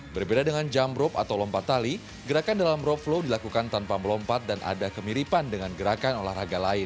berbeda dengan jump rope atau lompat tali gerakan dalam rope flow dilakukan tanpa melompat dan ada kemiripan dengan gerakan olahraga lain